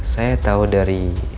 saya tau dari